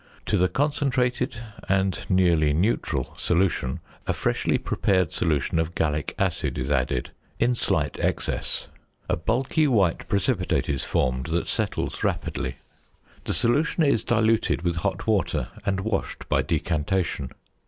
To the concentrated, and nearly neutral, solution a freshly prepared solution of gallic acid is added in slight excess. A bulky white precipitate is formed that settles rapidly. The solution is diluted with hot water and washed by decantation.